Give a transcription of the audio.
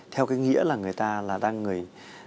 theo cái nghĩa là người ta là đang người